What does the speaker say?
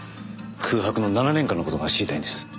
空白の７年間の事が知りたいんです。